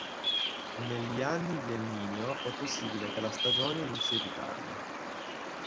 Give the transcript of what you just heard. Negli anni di El Niño è possibile che la stagione inizi in ritardo.